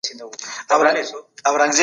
ده عربي او فارسي فورمونه پښتو ته راوړل